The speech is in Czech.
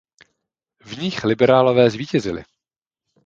V nich liberálové zvítězili.